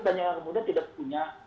banyak yang kemudian tidak punya